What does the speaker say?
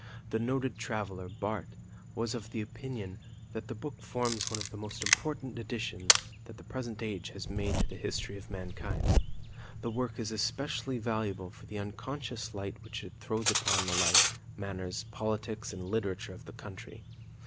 The noted traveller, Barth, was of the opinion that the book forms one of the most important additions that the present age has made to the history of mankind. The work is especially valuable for the unconscious light which it throws upon the life, manners, politics, and literature of the country.